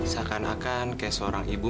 seakan akan kayak seorang ibu